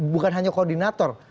bukan hanya koordinator